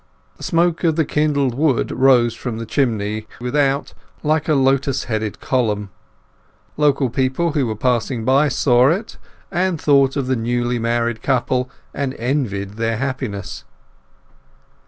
The smoke of the kindled wood rose from the chimney without like a lotus headed column; local people who were passing by saw it, and thought of the newly married couple, and envied their happiness.